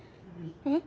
えっ？